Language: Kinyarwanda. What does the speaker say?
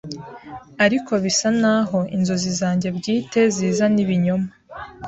ariko bisa naho inzozi zanjye bwite ziza n’ ibinyoma